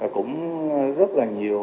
cũng rất là nhiều